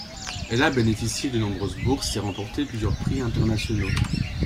Elle a bénéficié de nombreuses bourses et remporté plusieurs prix internationaux.